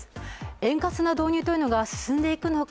円滑な導入というのが進んでいくのか